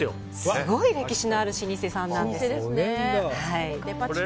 すごい歴史のある老舗さんなんですよ。